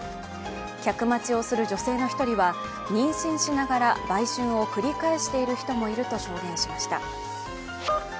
客待ちをする女性の一人は妊娠しながら売春を繰り返している人もいると証言しました。